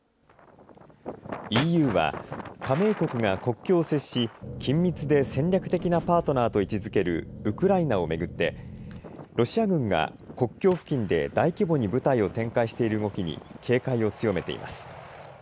ＥＵは、加盟国が国境を接し、緊密で戦略的なパートナーと位置づけるウクライナを巡って、ロシア軍が国境付近で大規模に部隊を展開している動きに警戒を強めています。